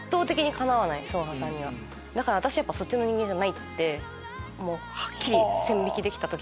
だから私やっぱそっちの人間じゃない！ってはっきり線引きできた時だった。